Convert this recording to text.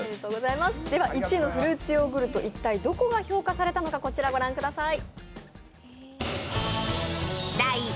では１位のフルーツヨーグルト、一体どこが評価されたのかこちらをご覧ください。